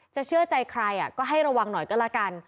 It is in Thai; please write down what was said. เชื่อใจใครก็ให้ระวังหน่อยก็แล้วกัน